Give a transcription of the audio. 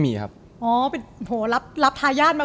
พี่เริ่มมาเป็นอย่างงี้พ่อเป็นอย่างงี้พ่อเป็นอย่างงี้